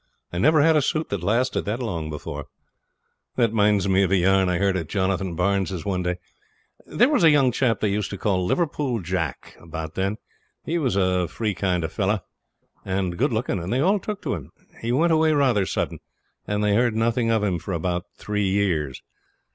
I never had a suit that lasted that long before. That minds me of a yarn I heard at Jonathan Barnes's one day. There was a young chap that they used to call 'Liverpool Jack' about then. He was a free kind of fellow, and good looking, and they all took to him. He went away rather sudden, and they heard nothing of him for about three years.